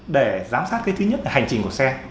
để giám sát cái thứ nhất là hành trình của xe